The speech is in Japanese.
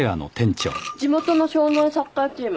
地元の少年サッカーチーム。